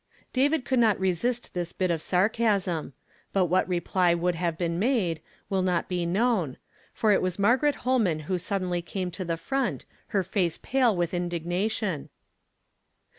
David could not resist this bit of sarcasm ; but what reply would have been made, will not be known, for it was Margaret Holman who suddenly came to the front, her face pale with indignation.